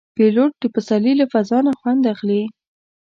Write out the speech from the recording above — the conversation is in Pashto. پیلوټ د پسرلي له فضا نه خوند اخلي.